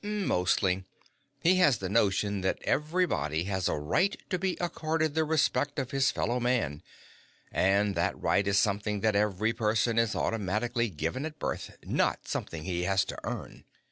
"Mostly. He has the notion that everybody has a right to be accorded the respect of his fellow man, and that that right is something that every person is automatically given at birth, not something he has to earn.